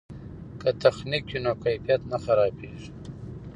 که تخنیک وي نو کیفیت نه خرابیږي.